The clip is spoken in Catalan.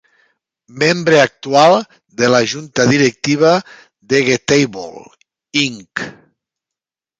Membre actual de la junta directiva de Getable, Inc.